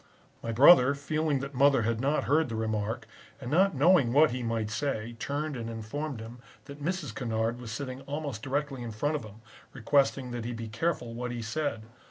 My brother, feeling that mother had not heard the remark, and not knowing what he might say, turned and informed him that Mrs. Kennard was sitting almost directly in front of him, requesting that he be careful what he said.